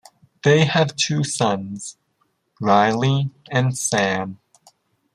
They have two sons, Riley and Sam.